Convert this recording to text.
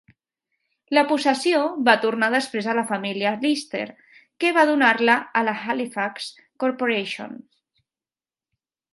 La possessió va tornar després a la família Lister, que va donar-la a la Halifax Corporation.